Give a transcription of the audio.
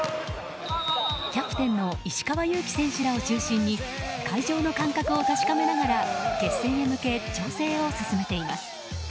キャプテンの石川祐希選手らを中心に会場の感覚を確かめながら決戦へ向け調整を進めています。